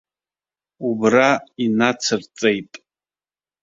Убра инацырҵеит.